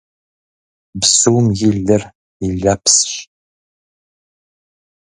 Бзум и лыр, и лэпсщ.